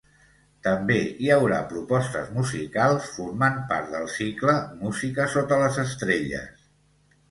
També hi haurà propostes musicals formant part del cicle Música sota les estrelles.